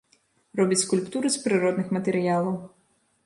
Робіць скульптуры з прыродных матэрыялаў.